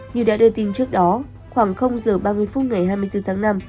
như đã đưa tin trước đó khoảng giờ ba mươi phút ngày hai mươi bốn tháng năm